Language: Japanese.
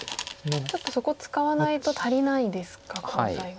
ちょっとそこ使わないと足りないですかコウ材が。